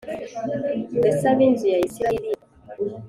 mbese ab inzu ya Isirayeli